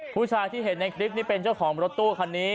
ผู้ชายที่เห็นในคลิปนี้เป็นเจ้าของรถตู้คันนี้